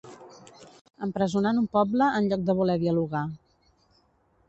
Empresonant un poble en lloc de voler dialogar.